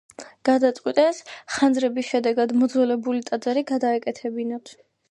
გადაწყვიტეს ხანძრების შედეგად მოძველებული ტაძარი გადაეკეთებინათ.